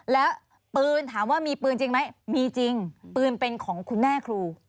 แล้วปืนถามว่ามีปืนจริงไหมมีจริงปืนเป็นของคุณแม่ครู